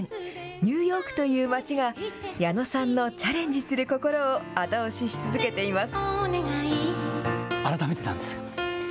ニューヨークという街が、矢野さんのチャレンジする心を後押しし続けています。